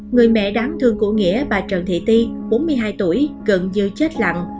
người mẹ đáng thương của nghĩa bà trần thị ti bốn mươi hai tuổi gần như chết lặng